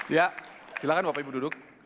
ya silahkan bapak ibu duduk